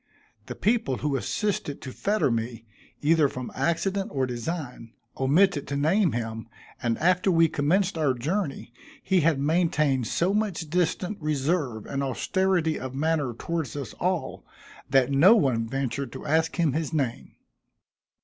The people who assisted to fetter me, either from accident or design, omitted to name him, and after we commenced our journey, he had maintained so much distant reserve and austerity of manner towards us all, that no one ventured to ask him his name.